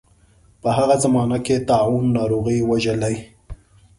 په هغه زمانه کې طاعون ناروغۍ وژلي.